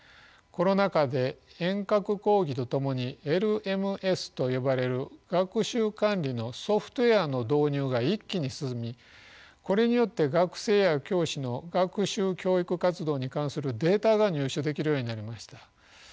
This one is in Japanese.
コロナ禍で遠隔講義と共にＬＭＳと呼ばれる学習管理のソフトウエアの導入が一気に進みこれによって学生や教師の学習教育活動に関するデータが入手できるようになりました。